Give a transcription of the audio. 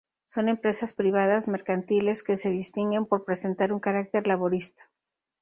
Son empresas privadas mercantiles que se distinguen por presentar un carácter laboralista.